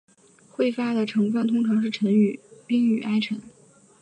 彗发的成分通常是冰与尘埃。